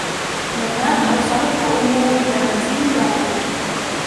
منّاد أوصلته أمّه إلى منزل باية.